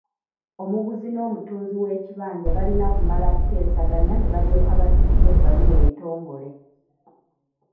Omuguzi n’omutunzi w’ekibanja balina kumala kuteeseganya ne balyoka baddukira ebbaluwa entongole.